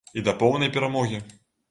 І да поўнай перамогі.